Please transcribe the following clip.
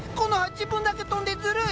自分だけ飛んでずるい！